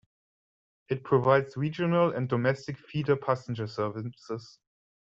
It provides regional and domestic feeder passenger services.